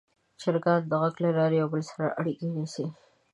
چرګان د غږ له لارې یو بل سره اړیکه نیسي.